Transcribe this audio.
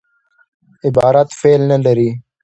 عبارت فعل نه لري.